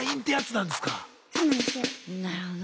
なるほどな。